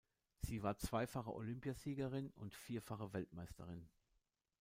Sie war zweifache Olympiasiegerin und vierfache Weltmeisterin.